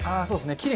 そうですね。